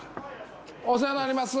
お世話になります